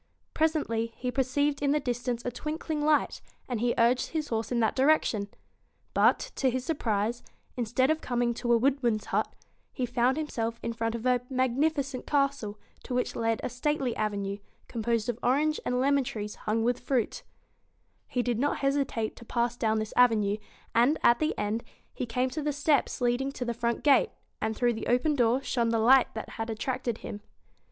Presently he perceived in the distance a twinkling light, and he urged his horse in that direction. But, to his surprise, instead of coming to a wood man's hut, he found himself in front of a magnifi cent castle, to which led a stately avenue, com posed of orange and lemon trees hung with fruit He did not hesitate to pass down this avenue, and, at the end, he came to the steps leading to the front gate, and through the open door shone the light that had attracted him.